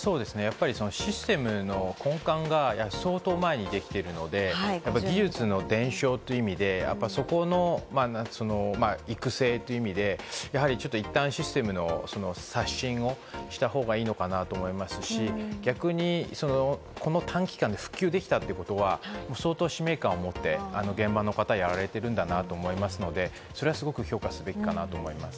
システムの根幹が相当前にできているので、技術の伝承という意味でそこの育成という意味でいったんシステムの刷新をした方がいいのかなと思いますし、逆にこの短期間で復旧できたということは、相当、使命感を持って、現場の方はやられてるんだなと思いますので、それはすごく評価すべきかなと思います。